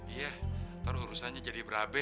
iya ntar urusannya jadi berabe